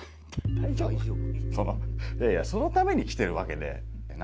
いやいやそのために来てるわけで。